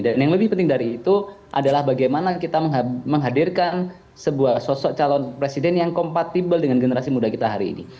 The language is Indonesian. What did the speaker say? dan yang lebih penting dari itu adalah bagaimana kita menghadirkan sebuah sosok calon presiden yang kompatibel dengan generasi muda kita hari ini